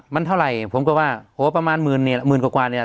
มันเท่าไหร่ผมก็ว่าโหประมาณหมื่นเนี่ยหมื่นกว่ากว่าเนี่ย